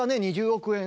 ２０億円？